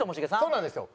そうなんですよ。